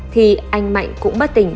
thì anh mạnh cũng bất tỉnh